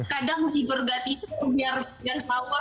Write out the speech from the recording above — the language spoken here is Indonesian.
kadang ibergat itu biar biar power